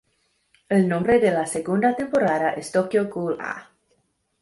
El nombre de la segunda temporada es "Tokyo Ghoul √A".